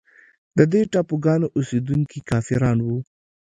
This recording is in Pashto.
د دې ټاپوګانو اوسېدونکي کافران وه.